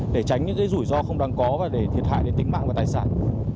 để tránh những rủi ro không đáng có và để thiệt hại đến tính mạng và tài sản